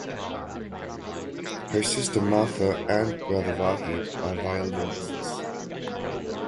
Her sister Martha and brother Vahid are violinists.